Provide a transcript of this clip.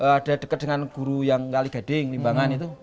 ada dekat dengan guru yang kaligading limbangan itu